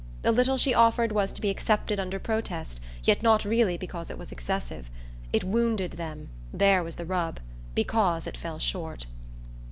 The little she offered was to be accepted under protest, yet not really because it was excessive. It wounded them there was the rub! because it fell short.